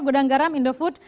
godang garam indofood